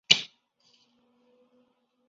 因此在新的文献中它往往与隼雕属合并。